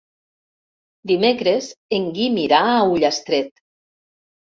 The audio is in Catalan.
Dimecres en Guim irà a Ullastret.